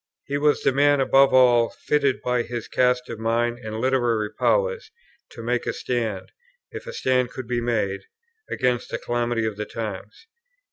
He was the man above all others fitted by his cast of mind and literary powers to make a stand, if a stand could be made, against the calamity of the times.